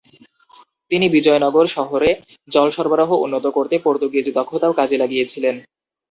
তিনি বিজয়নগর শহরে জল সরবরাহ উন্নত করতে পর্তুগিজ দক্ষতাও কাজে লাগিয়েছিলেন।